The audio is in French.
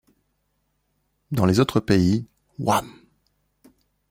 Dans les autres pays, Wham!